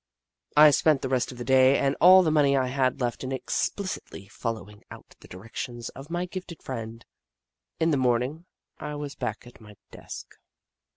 I spent the rest of the day and all the money I had left in explicitly following out the direc tions of my gifted friend. In the morning I was back at my desk.